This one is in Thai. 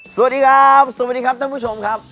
สวัสดีครับสวัสดีครับท่านผู้ชมครับ